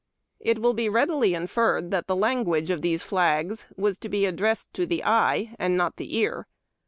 It will be readily inferred that the lan guage of these flags was to be addressed to the eye and not the ear.